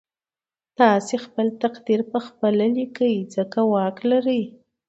تاسې خپل تقدير پخپله ليکئ ځکه واک لرئ.